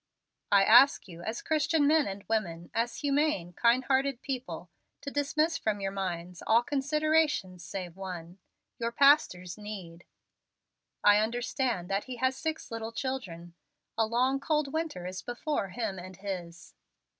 I ask you as Christian men and women, as humane, kind hearted people, to dismiss from your minds all considerations save one, your pastor's need. I understand that he has six little children. A long, cold winter is before him and his.